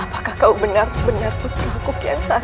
apakah kau benar benar putra kukian santamu